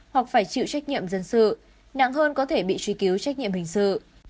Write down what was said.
hoặc phải chịu trách nhiệm dân sự nặng hơn có thể bị truy cứu trách nhiệm hình sự